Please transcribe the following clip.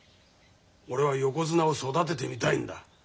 俺は横綱を育ててみたいんだ。